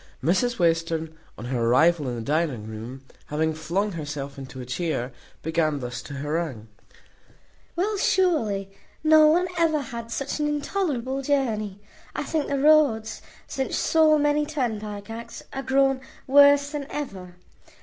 Mrs Western, on her arrival in the dining room, having flung herself into a chair, began thus to harangue: "Well, surely, no one ever had such an intolerable journey. I think the roads, since so many turnpike acts, are grown worse than ever.